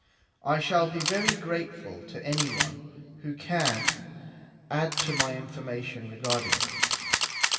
I shall be very grate ful to any one who can add to my information regarding them.